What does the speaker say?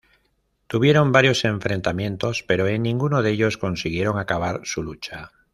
Tuvieron varios enfrentamientos, pero en ninguno de ellos consiguieron acabar su lucha.